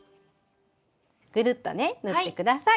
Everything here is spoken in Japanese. ぐるっとね縫って下さい。